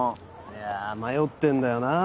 いや迷ってんだよな。